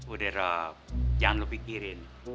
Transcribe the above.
udah rob jangan lo pikirin